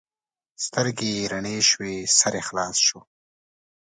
سترګې یې رڼې شوې؛ سر یې خلاص شو.